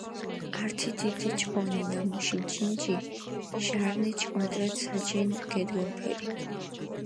ართი დიდი ჭყონი, ნამუში ჯინჯი ჟარნეჩი კვადრატ საჯენ გედგუნფერი.